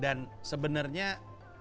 dan sebenernya kalo dihitung hitung